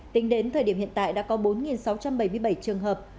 tính đến thời điểm hiện tại đã có bốn sáu trăm bảy mươi bảy trường hợp